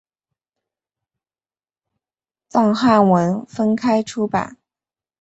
藏汉文分开出版。